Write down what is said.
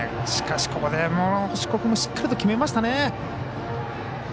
しかし、ここもしっかり決めましたね。